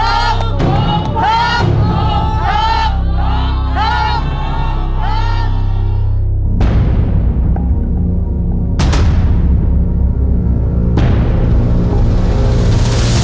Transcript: ถูกถูก